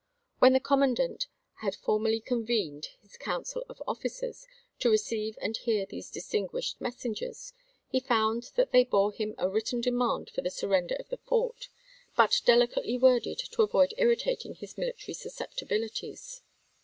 When the commandant had formally convened his council of officers, to receive and hear these distinguished messengers, he found that they bore him a written demand for the surrender of the fort, but delicately worded to avoid irritating his military susceptibilities.